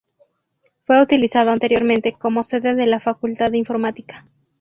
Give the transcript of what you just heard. Fue utilizado anteriormente como sede de la Facultad de Informática.